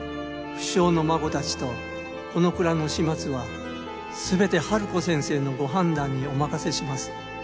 「不肖の孫たちとこの蔵の始末はすべてハルコ先生のご判断にお任せします。